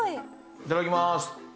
いただきます。